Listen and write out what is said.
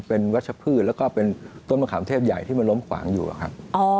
เป็นวัชพืชแล้วก็เป็นต้นมะขามเทพใหญ่ที่มันล้มขวางอยู่อะครับ